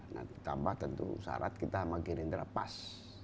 nah ditambah tentu syarat kita sama gerindra pas